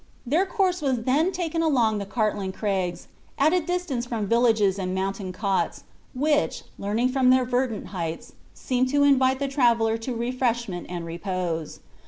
Their course was then taken along the Cartlane Craigs, at a distance from villages and mountain cots, which, leaning from their verdant heights, seemed to invite the traveler to refreshment and repose.